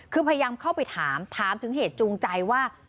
คือพยายามเข้าไปถามถามถึงเหตุจูงใจว่า